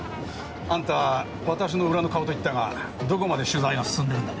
あんた私の裏の顔と言ったがどこまで取材が進んでるんだね？